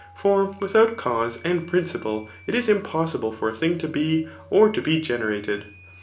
For without cause and principle it i$ impossible for a thing to be, or to be generated.